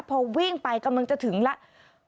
พอวิ่งไปกำลังจะถึงแล้ว